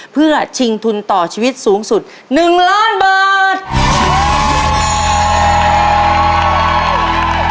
เพื่อชิงทุนต่อชีวิตสูงสุด๑ล้านบาทในเกมต่อชีวิตสักครู่เดียวครับ